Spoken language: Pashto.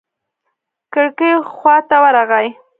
کړکۍ خوا ته ورغى.